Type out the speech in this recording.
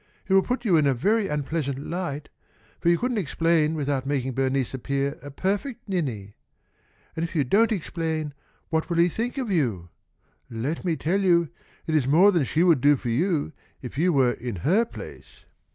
It will put you in a very unpleasant light, for you couldn't explain without making Bernice appear a perfect ninny. And if you don't explain, what will he think of you? Let me tell you, it is more than she would do for you if you were in her place.